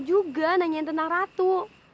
juga nanyain tentang ratu